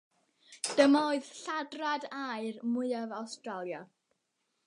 Dyma oedd lladrad aur mwyaf Awstralia.